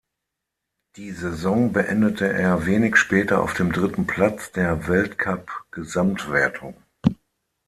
Die Saison beendete er wenig später auf dem dritten Platz der Weltcup-Gesamtwertung.